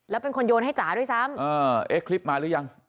แล้วเป็นคนโยนให้จ๋าด้วยซ้ำเอ๊ะคลิปมาหรือยัง